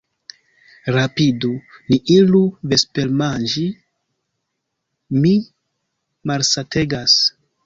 Rapidu, ni iru vespermanĝi, mi malsategas.